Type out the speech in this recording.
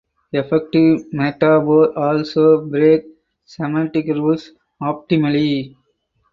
Effective metaphors also break semantic rules optimally.